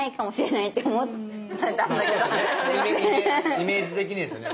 イメージ的にですよね。